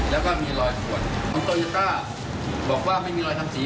แล้วก็มีรอยขวดของโตโยต้าบอกว่าไม่มีรอยทำสี